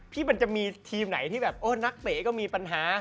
มันจะมีทีมไหนที่แบบเออนักเตะก็มีปัญหา